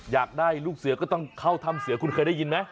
อยากได้ลูกเสือก็ต้องเข้าถ้ำเสือคุณเคยได้ยินไหม